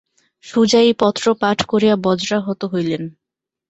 সুজা এই পত্র পাঠ করিয়া বজ্রাহত হইলেন।